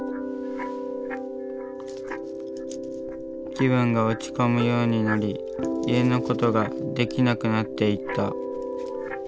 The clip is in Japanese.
気分が落ち込むようになり家のことができなくなっていった。